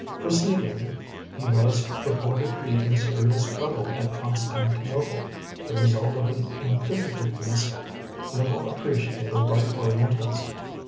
Proceeding, he was reported to be in serious trouble at Constantinople, the result of an inquisitiveness little appreciated by Orientals.